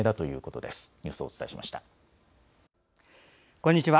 こんにちは。